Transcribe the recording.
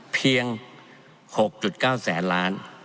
เพียง๖๙แสนล้าน